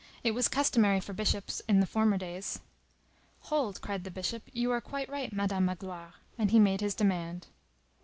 It was customary for bishops in former days." "Hold!" cried the Bishop, "you are quite right, Madame Magloire." And he made his demand.